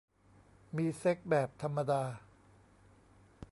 มีเซ็กส์แบบธรรมดา